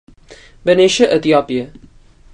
Va néixer a Etiòpia.